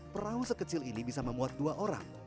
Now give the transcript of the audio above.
perahu sekecil ini bisa memuat dua orang